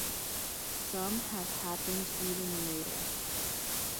Some have happened even later.